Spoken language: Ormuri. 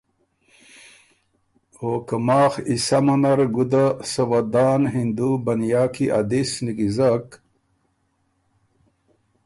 او که ماخ ای سمه نر ګُده سۀ ودان هندو بنیا کی ا دِس نیکیزک